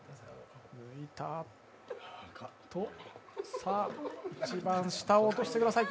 さあ、１番下を落としてください。